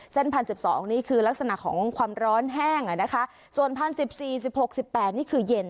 พันสิบสองนี่คือลักษณะของความร้อนแห้งอ่ะนะคะส่วนพันสิบสี่สิบหกสิบแปดนี่คือเย็น